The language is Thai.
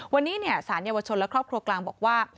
วันนี้สารเยาวชนและครอบครัวกลางบอกว่า